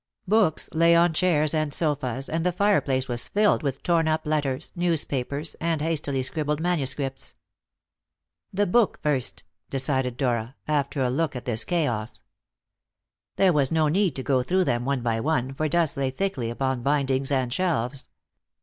Books lay on chairs and sofas, and the fireplace was filled with torn up letters, newspapers, and hastily scribbled manuscripts. "The books first," decided Dora, after a look at this chaos. There was no need to go through them one by one, for dust lay thickly upon bindings and shelves.